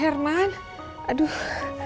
kebetulan nanti siang abang mau ke kota